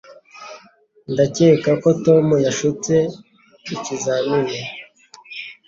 Ndakeka ko Tom yashutse ikizamini.